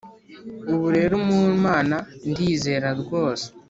ubu rero mu mana ndizera rwose.